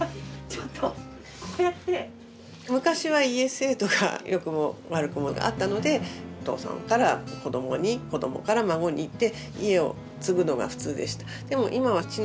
昔は家制度が良くも悪くもあったのでお父さんから子どもに子どもから孫にって家を継ぐのが普通でした。